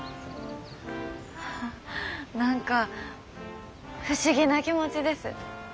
何か不思議な気持ちです。